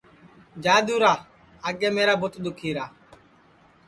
جا دؔورا آگے میرا بُوت دُؔکھیرا